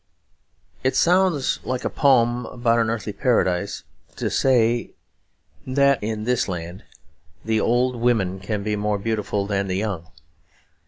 It sounds like a poem about an Earthly Paradise to say that in this land the old women can be more beautiful than the young.